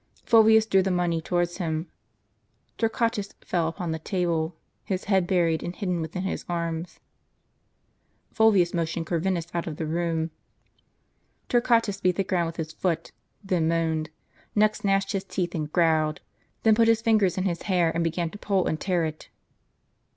Fulvius drew the money towards himself. Torquatus fell upon the table, his head buried and hidden within his arms. Fulvius motioned Corvinus out of the room. Torquatus beat the ground with his foot ; then moaned, next gnashed his teeth and growled ; then put his fingers in his hair, and begun to pull and tear it.